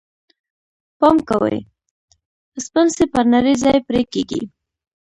پام کوئ! سپڼسی پر نري ځای پرې کېږي.